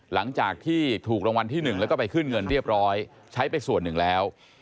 หลังจากที่ถูกรางวัลที่๑แล้วก็ไปขึ้นเงินเรียบร้อยใช้ไปส่วนหนึ่งแล้ว